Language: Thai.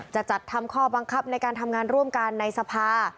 จะจัดทำข้อบังคับในการทำงานร่วมกันในสภา